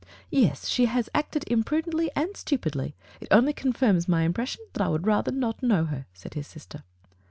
"Yes, she has acted imprudently and stupidly. It only confirms my impression that I would rather not know her," said his sister.